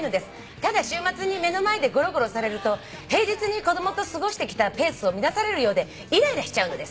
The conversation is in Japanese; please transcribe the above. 「ただ週末に目の前でゴロゴロされると平日に子供と過ごしてきたペースを乱されるようでイライラしちゃうのです」